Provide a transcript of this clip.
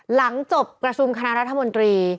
หลังจบประชุมคณะรัฐมนตรี